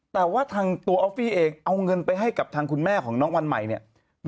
แต่ว่าทางตัวออฟฟี่เองเอาเงินไปให้กับทางคุณแม่ของน้องวันใหม่เนี่ย